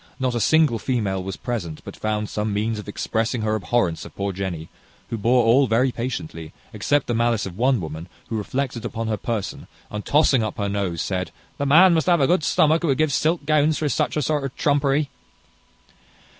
Not a single female was present but found some means of expressing her abhorrence of poor Jenny, who bore all very patiently, except the malice of one woman, who reflected upon her person, and tossing up her nose, said, "The man must have a good stomach who would give silk gowns for such sort of trumpery!"